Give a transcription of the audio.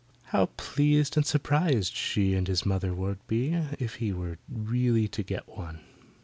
How pleased and surprised she and his mother would be if he were really to get one.